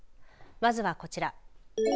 まずはこちら。